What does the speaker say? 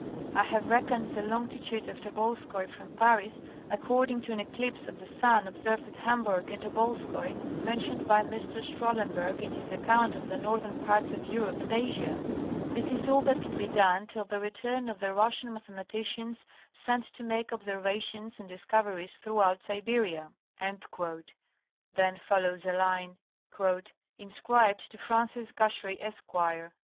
I have reckon'd y* Long' of Tobolskoy from Paris according to an Kclipse of y* Sun observed at Ham burg and Tobolskoy, mentioned by Mr. Strahlenberg in his account of y® Northern parts of Europe and Asia. This is all that can be done till y* return of y® Russian Mathematicians sent to make observations and discoveries throughout Siberia." Then follows a line " Inscribed to Francis Gashrey Esq'."